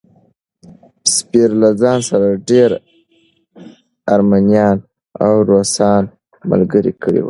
سفیر له ځان سره ډېر ارمنیان او روسان ملګري کړي وو.